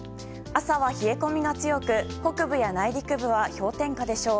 朝は冷え込みが強く北部や内陸部は氷点下でしょう。